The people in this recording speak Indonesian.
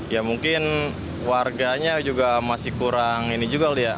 ya mungkin warganya juga masih kurang ini juga kali ya